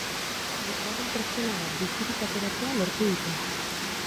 Bosgarren pertsona bat bizirik ateratzea lortu dute.